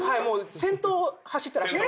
先頭を走ってらっしゃる。